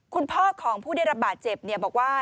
คุณพ่อของผู้ได้รับบาดเจ็บบอกว่า